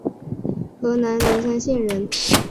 河南罗山县人。